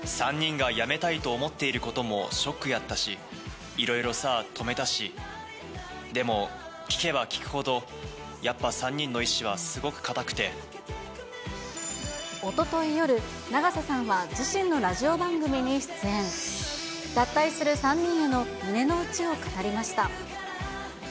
３人が辞めたいと思っていることも、ショックやったし、いろいろさ、止めたし、でも聞けば聞くほど、おととい夜、永瀬さんは自身のラジオ番組に出演。脱退する３人への胸の内を語りました。